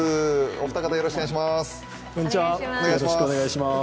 お二方、よろしくお願いします。